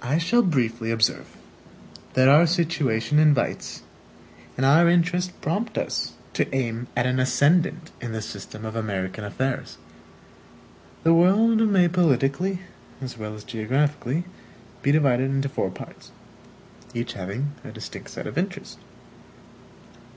I shall briefly observe, that our situation invites and our interests prompt us to aim at an ascendant in the system of American affairs. The world may politically, as well as geographically, be divided into four parts, each having a distinct set of interests.